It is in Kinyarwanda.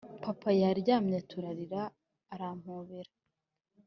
papa yaryamye turarira arampobera